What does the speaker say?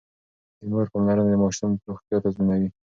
د مور پاملرنه د ماشوم روغتيا تضمينوي.